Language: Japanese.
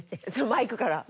マイクから。